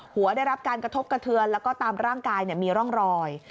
ได้รับการกระทบกระเทือนแล้วก็ตามร่างกายมีร่องรอย